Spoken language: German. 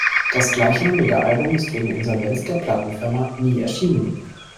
Das gleichnamige Album ist wegen Insolvenz der Plattenfirma nie erschienen.